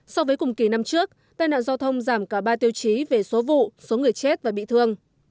so với cùng kỳ năm trước tai nạn giao thông giảm cả ba tiêu chí về số vụ số người chết và bị thương